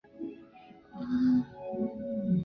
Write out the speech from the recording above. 杰克森成为田纳西民兵上校。